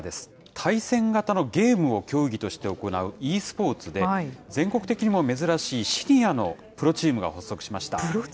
対戦型のゲームを競技として行うｅスポーツで、全国的にも珍しいシニアのプロチームが発足しました。